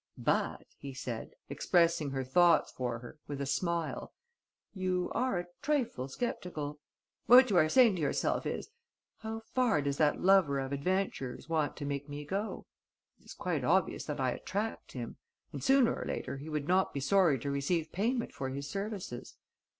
"But," he said, expressing her thoughts for her, with a smile, "you are a trifle sceptical. What you are saying to yourself is, 'How far does that lover of adventures want to make me go? It is quite obvious that I attract him; and sooner or later he would not be sorry to receive payment for his services.'